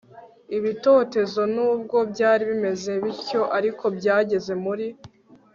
ibitotezo Nubwo byari bimeze bityo ariko byageze muri